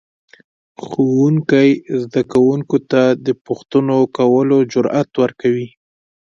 ښوونکی زده کوونکو ته د پوښتنو کولو جرأت ورکوي